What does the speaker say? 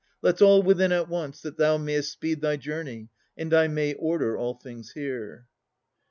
Let's all within at once, that thou mayest speed Thy journey, and I may order all things here.